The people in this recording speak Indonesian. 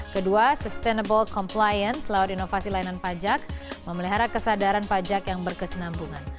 kedua sustainable compliance lewat inovasi layanan pajak memelihara kesadaran pajak yang berkesenambungan